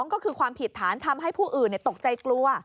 ก็คือความผิดฐานทำให้ผู้อื่นตกใจกลัว